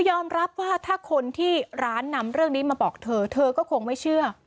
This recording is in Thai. ยอมรับว่าถ้าคนที่ร้านนำเรื่องนี้มาบอกเธอเธอก็คงไม่เชื่อ